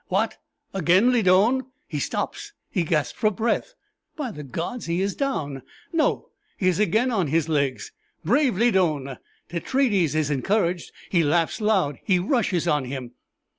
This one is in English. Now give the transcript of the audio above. What! again Lydon. He stops he gasps for breath. By the gods, he is down! No he is again on his legs. Brave Lydon! Tetraides is encouraged he laughs loud he rushes on him."